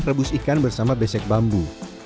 rebus ikan bersama besek bambu